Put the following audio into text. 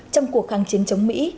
trong cuộc kháng chiến chống mỹ